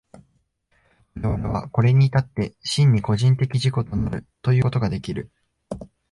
我々はこれに至って真に個人的自己となるということができる。